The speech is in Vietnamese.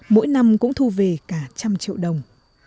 mỗi năm cũng thu về cả trăm triệu đồng